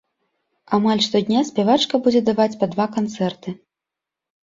Амаль штодня спявачка будзе даваць па два канцэрты.